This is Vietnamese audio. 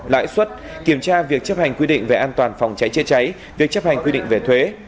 lãi suất kiểm tra việc chấp hành quy định về an toàn phòng cháy chế cháy việc chấp hành quy định về thuế